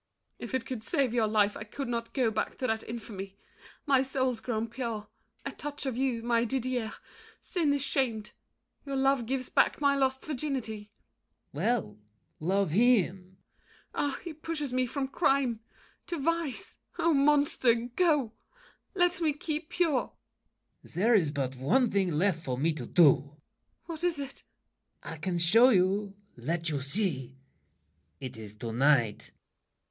If it would save your life, I could not go Back to that infamy. My soul's grown pure At touch of you, my Didier; sin is shamed. Your love gives back my lost virginity. LAFFEMAS. Well, love him! MARION. Ah, he pushes me from crime To vice! Oh, monster, go! Let me keep pure! LAFFEMAS. There is but one thing left for me to do! MARION. What is it? LAFFEMAS. I can show you—let you see. It is to night.